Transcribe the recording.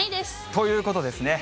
ということですね。